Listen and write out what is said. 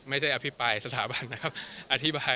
ไม่ได้อภิปัยสถาบันนะครับ